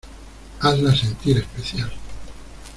hazla sentir especial